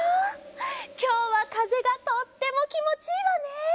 きょうはかぜがとってもきもちいいわね！